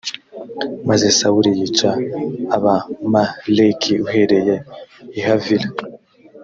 maze sawuli yica abamaleki uhereye i havila